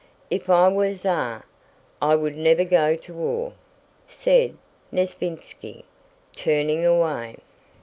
"If I were Tsar I would never go to war," said Nesvítski, turning away.